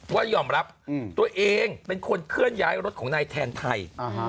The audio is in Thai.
ว่ายอมรับตัวเองเป็นคนเคลื่อนย้ายรถของนายแทนไทย